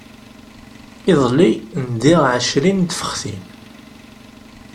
Iḍelli ndiɣ ɛecrin n tfextin.